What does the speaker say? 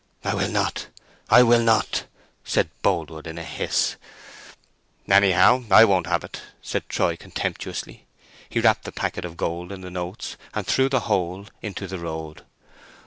"I will not; I will not!" said Boldwood, in a hiss. "Anyhow I won't have it," said Troy, contemptuously. He wrapped the packet of gold in the notes, and threw the whole into the road.